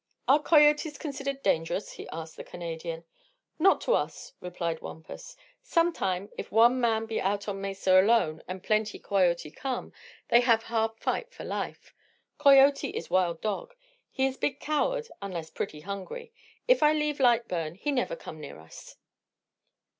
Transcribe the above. "Are coyotes considered dangerous?" he asked the Canadian. "Not to us," replied Wampus. "Sometime, if one man be out on mesa alone, an' plenty coyote come, he have hard fight for life. Coyote is wild dog. He is big coward unless pretty hungry. If I leave light burn he never come near us."